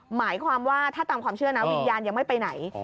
หมายความว่าถ้าตามความเชื่อนะวิญญาณยังไม่ไปไหน